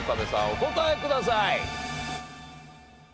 お答えください。